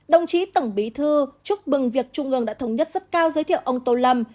đồng chí tổng bí thư chúc mừng việc trung ương đã thống nhất rất cao giới thiệu ông tô lâm